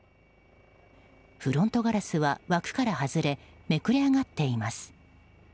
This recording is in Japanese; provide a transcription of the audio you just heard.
フロントガラスは枠から外れめくれ上がっています。